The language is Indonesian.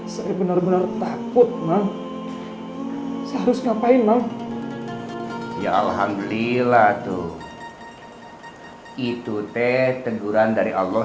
saya benar benar takut mah seharusnya paina ya alhamdulillah tuh itu teh teguran dari allah